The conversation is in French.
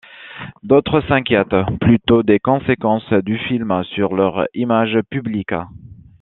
D'autres s'inquiètent plutôt des conséquences du film sur leur image publique.